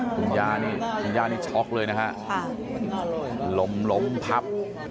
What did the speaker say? คุณยานี่คุณยานี่ช็อคเลยนะฮะค่ะลมลมพับ